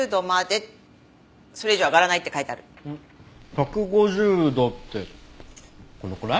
１５０度ってこのくらい？